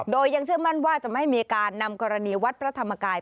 โดยยังเชื่อมั่นว่าจะไม่มีการนำกรณีวัดพระธรรมกาย